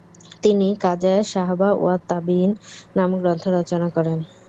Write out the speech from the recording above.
তিনি "কাজায়াস সাহাবা ওয়াত তাবীয়ীন" নামক গ্রণ্থ রচনা করেন।